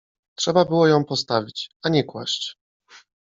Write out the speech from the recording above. — Trzeba było ją postawić, a nie kłaść!